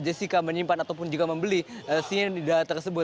jessica menyimpan ataupun juga membeli cyanida tersebut